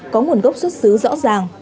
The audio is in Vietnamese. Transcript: có nguồn gốc xuất xứ rõ ràng